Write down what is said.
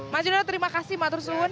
mas juna terima kasih matur suhun